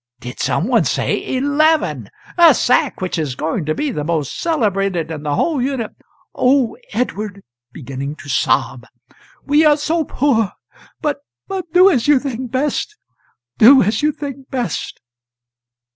did some one say eleven? a sack which is going to be the most celebrated in the whole Uni "] "Oh, Edward" (beginning to sob), "we are so poor! but but do as you think best do as you think best."